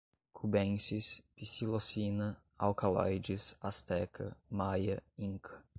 cubensis, psilocina, alcalóides, asteca, maia, inca